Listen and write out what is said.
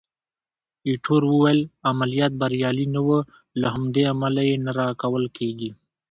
ایټور وویل: عملیات بریالي نه وو، له همدې امله یې نه راکول کېږي.